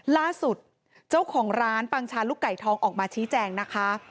ล่าสุดเจ้าของร้านปังชาลูกไก่ทองออกมาชี้แจงนะคะ